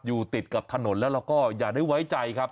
อยู่ติดกับถนนแล้วเราก็อย่าได้ไว้ใจครับ